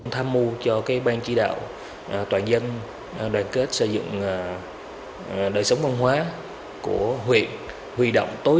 tham mưu cho ban chỉ đạo toàn dân đoàn kết xây dựng đời sống văn hóa của huyện huy động tối